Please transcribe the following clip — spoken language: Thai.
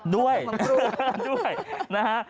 ด้วยด้วยนะฮะ